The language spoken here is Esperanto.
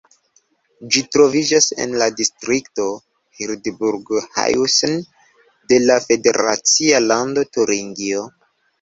Ĝi troviĝas en la distrikto Hildburghausen de la federacia lando Turingio.